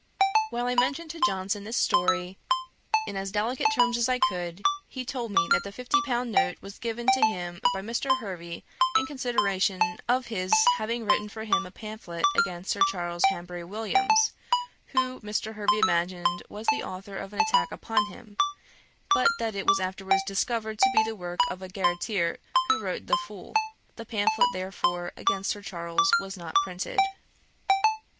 When I mentioned to Johnson this story, in as delicate terms as I could, he told me that the fifty pound note was given to him by Mr. Hervey in consideration of his having written for him a pamphlet against Sir Charles Hanbury Williams, who, Mr. Hervey imagined, was the authour of an attack upon him; but that it was afterwards discovered to be the work of a garreteer who wrote The Fool: the pamphlet therefore against Sir Charles was not printed.